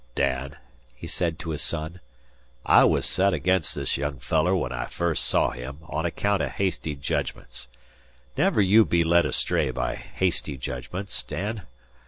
"Dan," he said to his son, "I was sot agin this young feeler when I first saw him on account o' hasty jedgments. Never you be led astray by hasty jedgments, Dan.